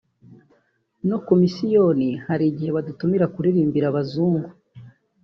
no ku misiyoni hari igihe badutumiraga kuririmbira abazungu…”